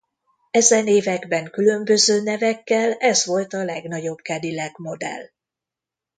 Ezen években különböző nevekkel ez volt a legnagyobb Cadillac modell.